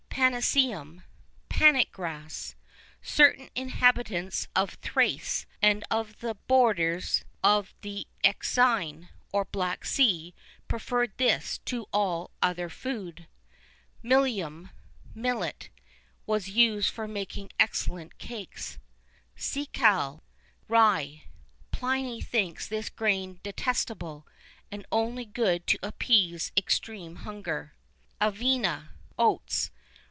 [II 7] Panicum, panic grass.[II 8] Certain inhabitants of Thrace and of the borders of the Euxine, or Black Sea, preferred this to all other food.[II 9] Millium, millet, was used for making excellent cakes.[II 10] Secale, rye.[II 11] Pliny thinks this grain detestable, and only good to appease extreme hunger.[II 12] Avena, oats.